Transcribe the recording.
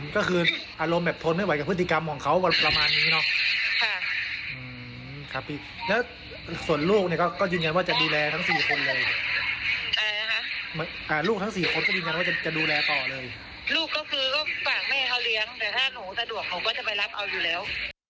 ก็คือฝากแม่เค้าเลี้ยงแต่ถ้าหนูสะดวกหนูก็จะไปรับเอาอยู่แล้ว